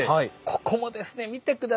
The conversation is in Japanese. ここもですね見て下さい。